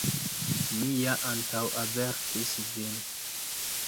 Mi ja antaŭavertis vin